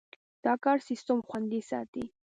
دا کار سیستم خوندي ساتي.